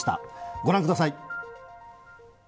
ご覧ください。